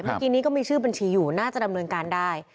เมื่อกี้นี้ก็มีชื่อบัญชีอยู่น่าจะดำเนินการได้